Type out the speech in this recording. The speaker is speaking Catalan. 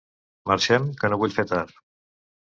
Marxem, que no vull fer tard.